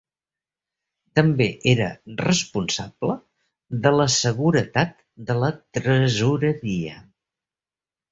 També era responsable de la seguretat de la tresoreria.